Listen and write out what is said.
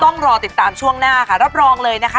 ต้องรอติดตามช่วงหน้าค่ะรับรองเลยนะคะ